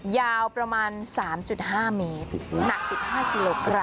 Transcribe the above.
ยาวประมาณ๓๕เมตรหนัก๑๕กิโลกรัม